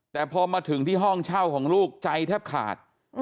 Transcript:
แต่พอมาถึงที่ห้องเช่าของลูกใจแทบขาด